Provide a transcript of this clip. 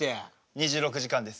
２６時間です。